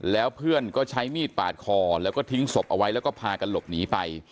แล้วเพื่อนก็ใช้มีดปาดคอแล้วก็ทิ้งศพเอาไว้แล้วก็พากันหลบหนีไป